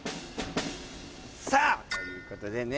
さあ！ということでね